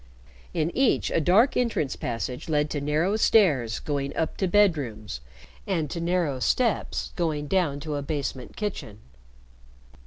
In each a dark entrance passage led to narrow stairs going up to bedrooms, and to narrow steps going down to a basement kitchen.